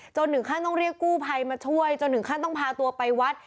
ถึงขั้นต้องเรียกกู้ภัยมาช่วยจนถึงขั้นต้องพาตัวไปวัด